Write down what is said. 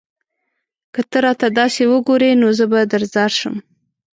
که ته راته داسې وگورې؛ نو زه به درځار شم